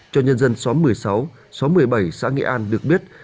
cho nhân dân xóm một mươi sáu xóm một mươi bảy xã nghệ an được biết